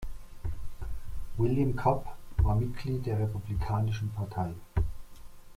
William Cobb war Mitglied der Republikanischen Partei.